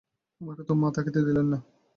আমাকে তো মা থাকিতে দিলেন না।